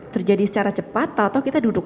terjadi secara cepat atau kita duduk